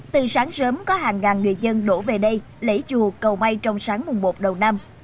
từ sáng sớm có hàng ngàn người dân đổ về đây lễ chùa cầu may trong sáng mùng một đầu năm